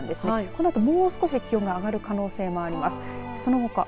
このあともう少し気温が上がる可能性があります。